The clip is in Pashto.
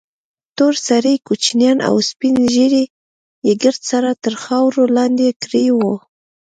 تور سرې کوچنيان او سپين ږيري يې ګرد سره تر خارور لاندې کړي وو.